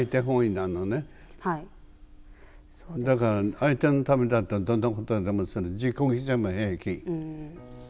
だから相手のためだったらどんなことでもする自己犠牲も平気。